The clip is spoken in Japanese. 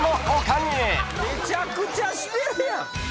めちゃくちゃしてるやん。